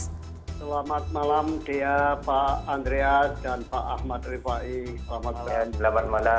selamat malam dea pak andreas dan pak ahmad rifai selamat sore